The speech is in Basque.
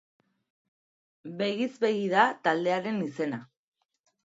Begiz begi da taldearen izena.